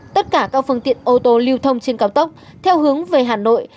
tất cả các phương tiện ô tô lưu thông trên cao tốc theo hướng về hà nội